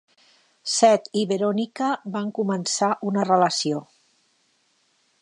Seth i Veronica van començar una relació.